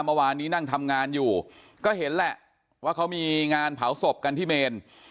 เมื่อวานนี้นั่งทำงานอยู่ก็เห็นแหละว่าเขามีงานเผาศพกันที่เมน